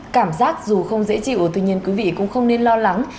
cảm giác dù không dễ chịu tuy nhiên quý vị cũng không nên lo lắng